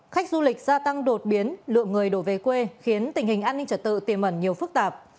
khách du lịch gia tăng đột biến lượng người đổ về quê khiến tình hình an ninh trật tự tiềm ẩn nhiều phức tạp